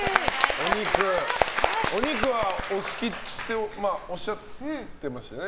お肉はお好きっておっしゃってましたね。